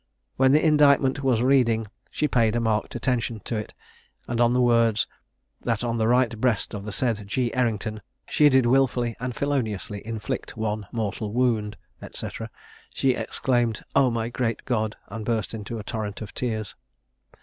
When the indictment was reading, she paid a marked attention to it; and on the words, "that on the right breast of the said G. Errington she did wilfully and feloniously inflict one mortal wound," &c. she exclaimed, "Oh, my great God!" and burst into a torrent of tears.